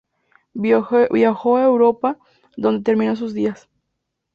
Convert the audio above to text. Viajó a Europa, donde terminó sus días.